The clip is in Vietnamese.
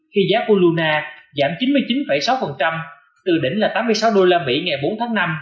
khi giá của luna giảm chín mươi chín sáu từ đỉnh tám mươi sáu usd ngày bốn tháng năm